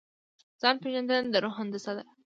ځان پېژندنه د روح هندسه ده.